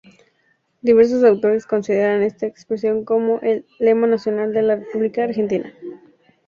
Diversos autores consideran esta expresión como el lema nacional de la República Argentina.